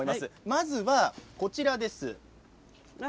まずはこちらです。